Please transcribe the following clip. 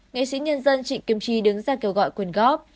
nghệ sĩ nhân dân trịnh kim chi đứng ra kêu gọi quân gốc